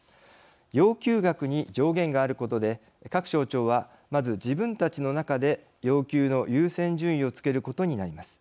要求額に上限があることで各省庁は、まず自分たちの中で要求の優先順位をつけることになります。